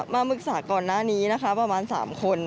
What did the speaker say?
มามึกษาก่อนหน้านี้ประมาณ๓คน